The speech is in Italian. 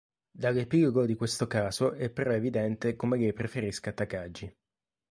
Dall'epilogo di questo caso è però evidente come lei preferisca Takagi.